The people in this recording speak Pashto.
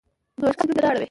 نو ښکاري چې دلته نه اړوې.